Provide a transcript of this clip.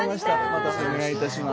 またお願いいたします。